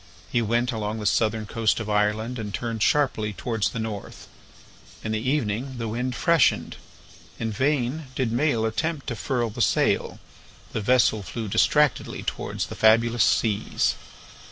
He went along the southern coast of Ireland and turned sharply towards the north. In the evening the wind freshened. In vain did Maël attempt to furl the sail. The vessel flew distractedly towards the fabulous seas.